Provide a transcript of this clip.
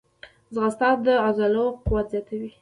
ځغاسته د عضلو قوت زیاتوي